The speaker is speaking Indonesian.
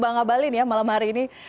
bang abalin ya malam hari ini